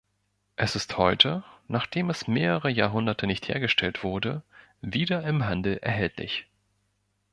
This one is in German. Es ist heute, nachdem es mehrere Jahrhunderte nicht hergestellt wurde, wieder im Handel erhältlich.